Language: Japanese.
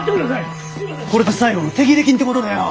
これで最後の手切れ金ってことでよ。